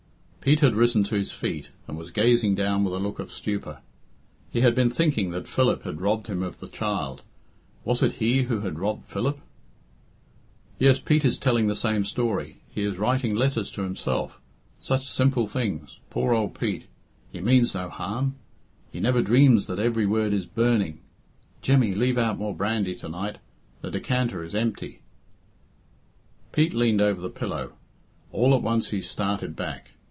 Pete had risen to his feet, and was gazing down with a look of stupor. He had been thinking that Philip had robbed him of the child. Was it he who had robbed Philip? "Yes, Pete is telling the same story. He is writing letters to himself such simple things! poor old Pete he means no harm he never dreams that every word is burning Jemmy, leave out more brandy to night, the decanter is empty " Pete leaned over the pillow. All at once he started back.